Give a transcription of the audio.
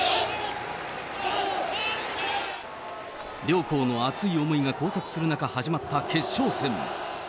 両校の熱い思いが交錯する中始まった決勝戦。